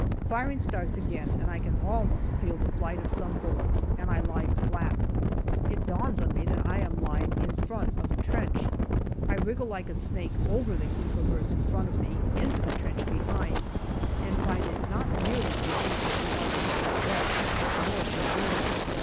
Firing starts again and I can almost feel the flight of some bullets, and I lie 42 GALLIPOLI DIARY flat. It dawns on me that I am lying in front of a trench. I wriggle like a snake over the heap of earth in front of me, into the trench behind, and find it not nearly so deep as the one I have just left, nor so roomy.